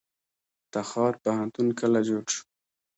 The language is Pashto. تخار پوهنتون کله جوړ شو؟